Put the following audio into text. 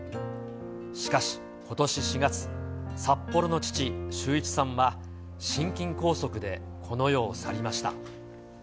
しかし、ことし４月、札幌の父、修一さんは心筋梗塞でこの世を去りました。